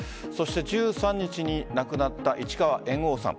１３日に亡くなった市川猿翁さん。